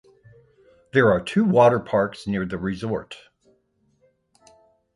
There are two water parks near the resort.